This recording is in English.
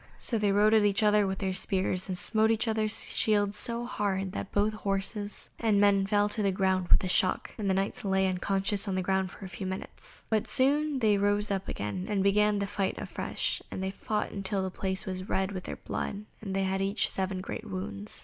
So they rode at each other with their spears, and smote each other's shields so hard that both horses and men fell to the ground with the shock, and the Knights lay unconscious on the ground for some minutes. But soon they rose up again and began the fight afresh, and they fought till the place was red with their blood, and they had each seven great wounds.